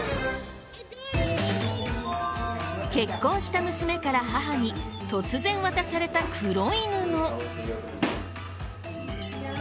結婚した娘から母に突然渡された黒い布。